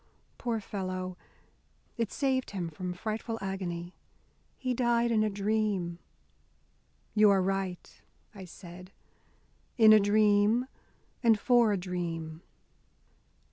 Poor fellow, it saved him from frightful agony. He died in a dream." "You are right," I said, "in a dream, and for a dream."